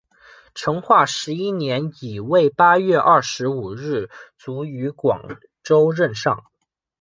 成化十一年乙未八月二十五日卒于广州任上。